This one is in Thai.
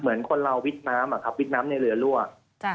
เหมือนคนเราวิทย์น้ำอะครับวิทย์น้ำในเรือรั่ว